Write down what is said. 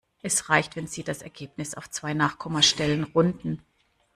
Es reicht, wenn Sie das Ergebnis auf zwei Nachkommastellen runden.